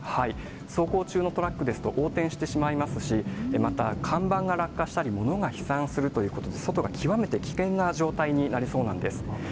走行中のトラックですと、横転してしまいますし、また、看板が落下したり、物が飛散するということで、外が極めて危険な状態になりそうなんです。